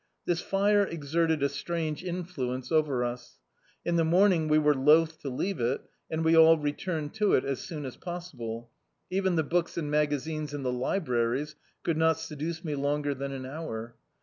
This fire exerted a strange influence over us. In the morning we were loath to leave it, and we all returned to it as socm as possible. Even the books and magazines in the libraries could not seduce me longer than an hour.